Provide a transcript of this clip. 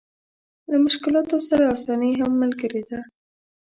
له مشکلاتو سره اساني هم ملګرې ده.